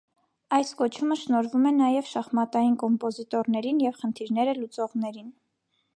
Այս կոչումը շնորհվում է նաև շախմատային կոմպոզիտորներին և խնդիրները լուծողներին։